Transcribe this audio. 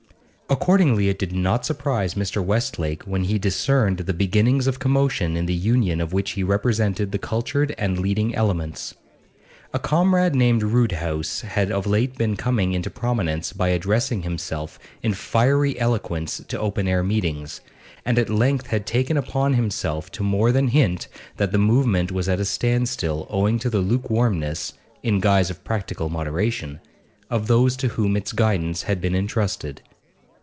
Accordingly it did not surprise Mr. Westlake when he discerned the beginnings of commotion in the Union of which he represented the cultured and leading elements. A comrade named Roodhouse had of late been coming into prominence by addressing himself in fiery eloquence to open air meetings, and at length had taken upon himself to more than hint that the movement was at a standstill owing to the lukewarmness (in guise of practical moderation) of those to whom its guidance had been entrusted.